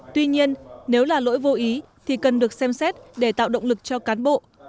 tuy nhiên nếu là lỗi vô ý thì cần được xem xét để tạo động lực cho cán bộ